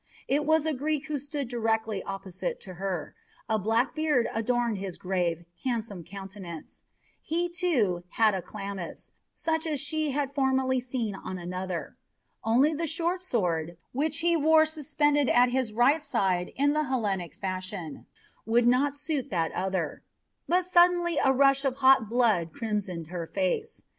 It was a Greek who stood directly opposite to her. A black beard adorned his grave, handsome countenance. He, too, had a chlamys, such as she had formerly seen on another. Only the short sword, which he wore suspended at his right side in the Hellenic fashion, would not suit that other; but suddenly a rush of hot blood crimsoned her face.